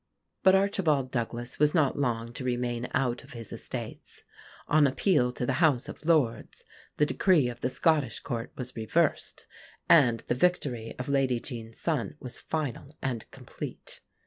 But Archibald Douglas was not long to remain out of his estates. On appeal to the House of Lords, the decree of the Scottish Court was reversed, and the victory of Lady Jean's son was final and complete.